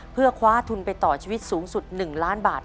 เพื่อคว้าทุนไปต่อชีวิตสูงสุด๑ล้านบาท